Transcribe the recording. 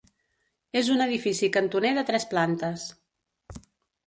És un edifici cantoner de tres plantes.